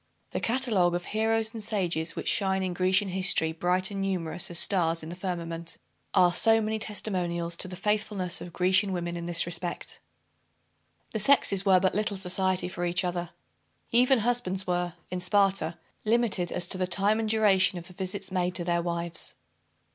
The catalogue of heroes and sages which shine in Grecian history bright and numerous as stars in the firmament, are so many testimonials to the faithfulness of Grecian women in this respect. The sexes were but little society for each other. Even husbands were, in Sparta, limited as to the time and duration of the visits made to their wives.